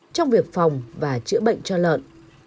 trong việc phòng và chữa bệnh cho lợn